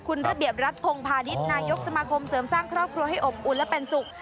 คุณระเบียบรัฐพงพาณิชย์นายกสมาคมเสริมสร้างครอบครัวให้อบอุ่นและเป็นสุข